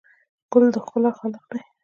ګل د ښکلا خالق دی.